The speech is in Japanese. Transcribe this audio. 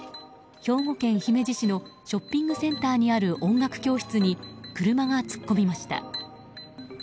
兵庫県姫路市のショッピングセンターにある音楽教室に車が突っ込みました。